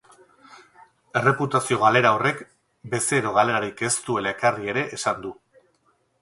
Erreputazio galera horrek bezero galerarik ez duela ekarri ere esan du.